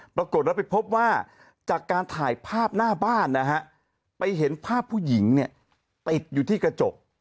ปรากฏว่าไปพบว่าจากการถ่ายภาพหน้าบ้านนะฮะไปเห็นภาพผู้หญิงเนี่ยติดอยู่ที่กระจก